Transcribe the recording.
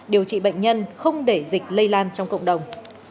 điều trị bệnh nhân không để dịch lây lan trong cộng đồng